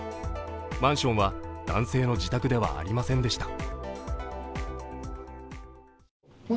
マンションは男性の自宅ではありませんでした。